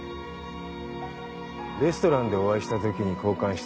レストランでお会いしたときに交換した名刺にも。